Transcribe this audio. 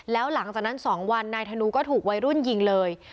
แล้วหลังจากนั้น๒วันนายธนูก็ถูกวัยรุ่นยิงเลย